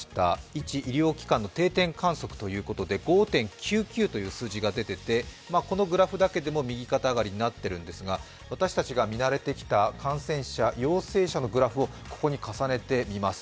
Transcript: １医療機関の定点観測ということで５．９９という数字が出ていまして、このグラフだけでも右肩上がりになってるんですが私たちが見慣れてきた感染者・陽性者のグラフをここに重ねてみます。